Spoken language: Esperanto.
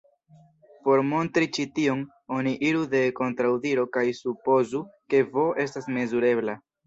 Por montri ĉi tion, oni iru de kontraŭdiro kaj supozu ke "V" estas mezurebla.